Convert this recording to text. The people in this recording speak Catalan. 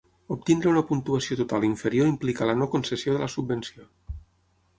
Obtenir una puntuació total inferior implica la no concessió de la subvenció.